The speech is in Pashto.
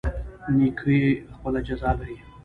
نیکي خپله جزا لري